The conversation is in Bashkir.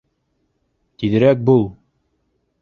Тиҙерәк бул!